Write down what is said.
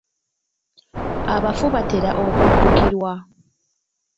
Abafu batera okujjukirwa.